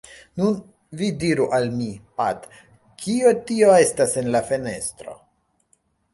“Nun, vi diru al mi, Pat, kio tio estas en la fenestro?”